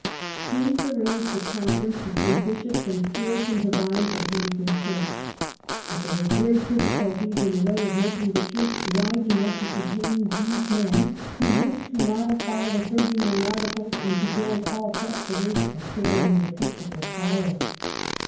James arranged a conference between bishops and Puritan divines at Hampton Court. But there were great difficulties in the way of making the church wide enough to contain these men, who wished to modify the thirty nine articles and to grant all presbyters a share in the Episcopal power.